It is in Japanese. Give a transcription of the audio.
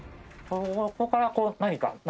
ここからこう何か。